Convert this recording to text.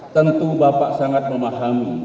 tentu bapak sangat memahami